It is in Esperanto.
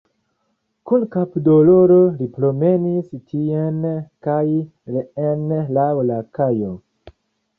Kun kapdoloro li promenis tien kaj reen laŭ la kajo.